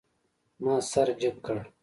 ما سر جګ کړ.